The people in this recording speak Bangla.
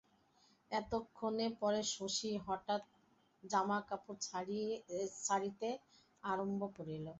এতক্ষণ পরে শশী হঠাৎ জামাকাপড় ছাড়িতে আরম্ভ করিল।